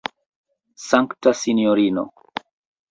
Sankta sinjorino!